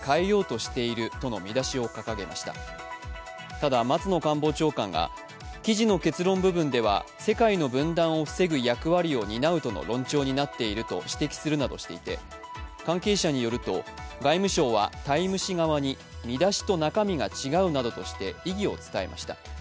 ただ松野官房長官が、記事の結論部分では世界の分断を防ぐ役割を担うとの論調になっていると指摘するなどとしていて関係者によると、外務省は「タイム」誌側に見出しと中身が違うなどとして意義を伝えました。